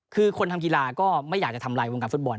คือคนทำกีฬาก็ไม่อยากจะทำลายวงการฟุตบอล